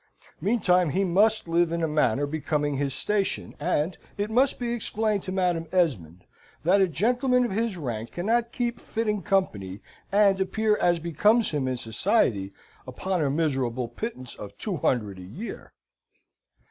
Meantime he must live in a manner becoming his station, and it must be explained to Madam Esmond that a gentleman of his rank cannot keep fitting company, and appear as becomes him in society, upon a miserable pittance of two hundred a year.